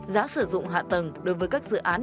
giá sử dụng hạ tầng đối với các dự án